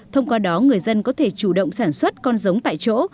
thông qua đó người dân có thể chủ động sản xuất con giống tại chỗ